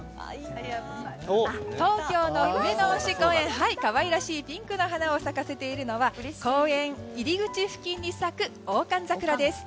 東京の上野恩賜公園で可愛らしいピンクの花を咲かせているのは公園入り口付近に咲くオオカンザクラです。